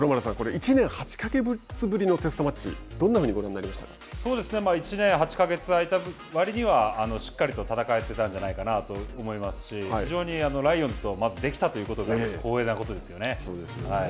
１年８か月ぶりのテストマッチどんなふうに１年８か月あいた割にはしっかりと戦えてたんじゃないかなと思いますし非常にライオンズとまずできたということが光栄なことですよね。